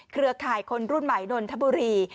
เครือข่ายคนรุ่นใหม่นนทบุรี